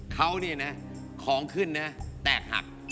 เขาเนี่ยนะของขึ้นนะแตกหัก